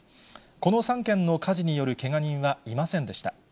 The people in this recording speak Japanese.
この３件の火事によるけが人はいませんでした。